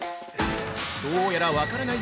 ◆どうやら分からない